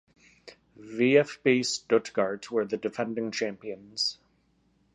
VfB Stuttgart were the defending champions.